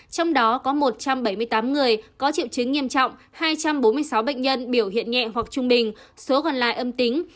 trong đó có một trăm bảy mươi tám người có triệu chứng nghiêm trọng hai trăm bốn mươi sáu bệnh nhân biểu hiện nhẹ hoặc trung bình số còn lại âm tính